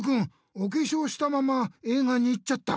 おけしょうしたまま映画に行っちゃった。